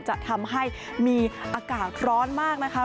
จะทำให้มีอากาศร้อนมากนะคะ